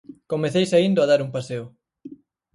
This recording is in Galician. Comecei saíndo a dar un paseo.